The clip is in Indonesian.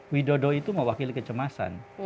widodo itu mewakili kecemasan